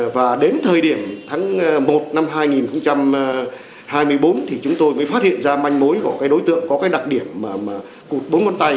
và đến thời điểm tháng một năm hai nghìn hai mươi bốn thì chúng tôi mới phát hiện ra manh mối của cái đối tượng có cái đặc điểm cụt bốn ngón tay